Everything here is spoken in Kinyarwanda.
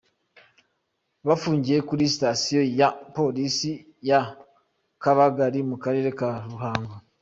Bafungiye kuri sitasiyo ya polisi ya Kabagari mu Karere ka Ruhango.